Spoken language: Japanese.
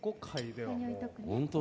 本当！